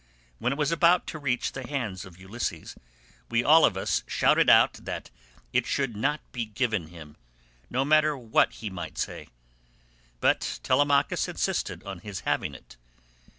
When it was about to reach the hands of Ulysses, we all of us shouted out that it should not be given him, no matter what he might say, but Telemachus insisted on his having it.